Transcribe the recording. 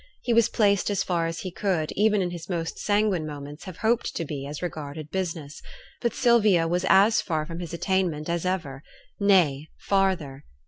He was placed as far as he could, even in his most sanguine moments, have hoped to be as regarded business, but Sylvia was as far from his attainment as ever nay, farther.